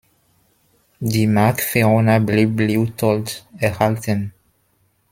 Die Mark Verona blieb Liutold erhalten.